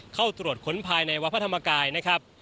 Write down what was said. เข้าตรวจค้นภายในวัดพระธรรมกายนะครับ